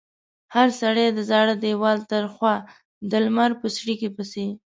هر سړي د زاړه دېوال تر خوا د لمر په څړیکې پسې.